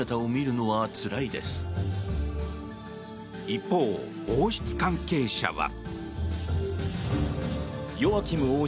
一方、王室関係者は。